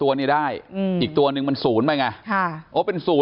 ๖ตัวนี่ได้อีกตัวนึงมัน๐มั้ยไง